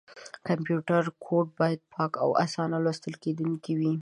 کمپیوټر کوډ باید پاک او اسانه لوستل کېدونکی وي.